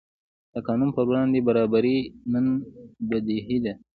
د قانون پر وړاندې برابري نن بدیهي ده.